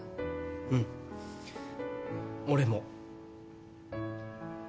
うん俺も。